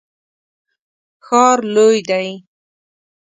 ښار لوی دی